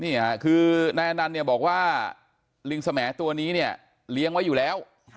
นี่ฮะคือนายกาลนั้นบอกว่าลิงสแมตัวนี้เนี่ยเลี้ยงไว้อยู่แล้ว